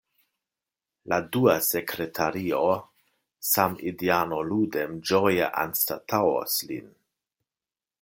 La dua sekretario, samideano Ludem ĝoje anstataŭos lin.